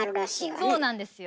そうなんですよ。